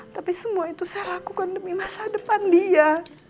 tapi semua itu saya lakukan demi masa depan dia